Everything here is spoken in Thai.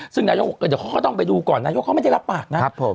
ซึ่งต้องไปดูก่อนนะเพราะเกี่ยวกับเขาไม่ได้รับปากนะ